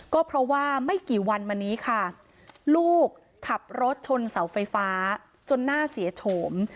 ก็เพราะว่าไม่กี่วันมานี้ค่ะลูกขับรถชนเสาไฟฟ้าจนหน้าเสียโฉม